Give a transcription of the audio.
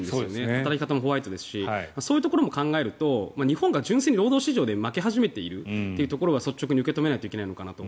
働き方もホワイトですしそういうところも考えると日本が純粋に労働市場で負け始めているというところは率直に受け止めないといけないのかなと。